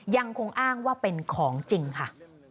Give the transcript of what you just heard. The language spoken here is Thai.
ยังคงอ้างว่าเป็นของจริงค่ะ